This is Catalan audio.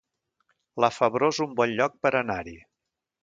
La Febró es un bon lloc per anar-hi